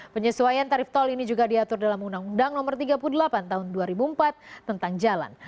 penyesuaian tarif tol ini juga diatur dalam undang undang no tiga puluh delapan tahun dua ribu empat tentang jalan